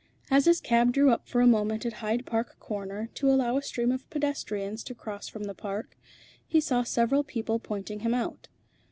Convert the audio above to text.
As his cab drew up for a moment at Hyde Park corner to allow a stream of pedestrians to cross from the Park, he saw several people pointing him out.